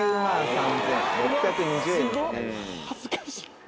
恥ずかしい。